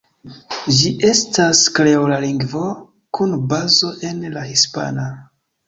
Ĝi estas kreola lingvo, kun bazo en la hispana.